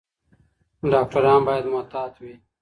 ډاکټران باید محتاط وي.